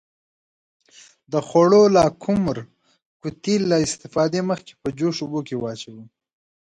د خوړو لاکمُر قوطي له استفادې مخکې په جوش اوبو کې واچوئ.